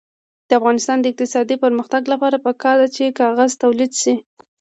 د افغانستان د اقتصادي پرمختګ لپاره پکار ده چې کاغذ تولید شي.